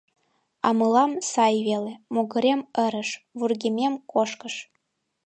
А мылам сай веле: могырем ырыш, вургемем кошкыш.